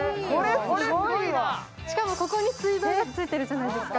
しかもここに水道がついてるじゃないですか。